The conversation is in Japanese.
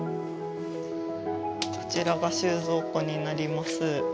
こちらが収蔵庫になります。